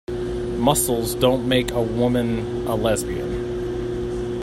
Muscles don't make a woman a lesbian.